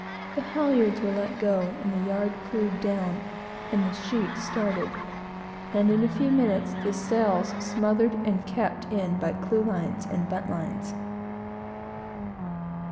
The halyards were let go and the yard clewed down, and the sheets started, and in a few minutes the sails smothered and kept in by clewlines and buntlines.